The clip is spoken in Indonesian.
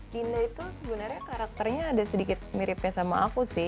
dino itu sebenarnya karakternya ada sedikit miripnya sama aku sih